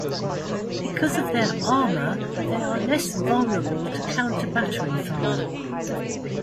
Because of their armour they are less vulnerable to counter-battery fire.